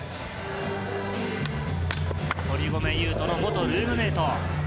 堀米雄斗の元ルームメイト。